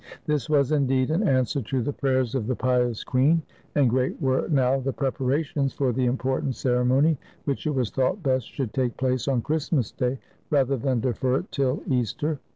This was, indeed, an answer to the prayers of the pious queen, and great were now the preparations for the important ceremony which it was thought best should take place on Christmas Day, rather than defer it till Easter.